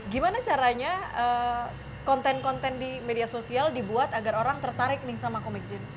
gimana caranya konten konten di media sosial dibuat agar orang tertarik nih sama comic jeans